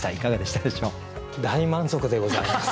大満足でございます。